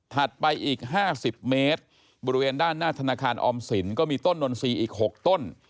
ไปอีก๕๐เมตรบริเวณด้านหน้าธนาคารออมสินก็มีต้นนนทรีย์อีก๖ต้น